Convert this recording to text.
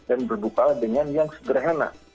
dan berdupalah dengan yang sederhana